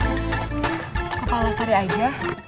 kepala sari aja